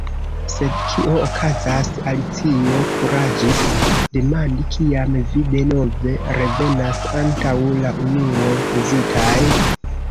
"Sed kio okazas," Alicio kuraĝis demandi, "kiam vi denove revenas antaŭ la unue uzitaj?"